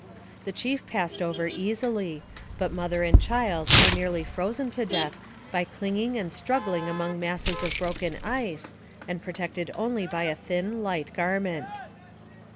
The chief passed over easily, but mother and child were nearly frozen to death by clinging and struggling among masses of broken ice, and protected only by a thin, light garment.